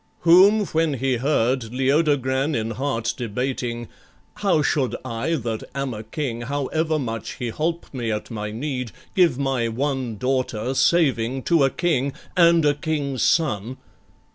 Whom when he heard, Leodogran in heart Debating "How should I that am a king, However much he holp me at my need, Give my one daughter saving to a king, And a king's son?"